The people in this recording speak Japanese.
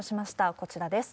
こちらです。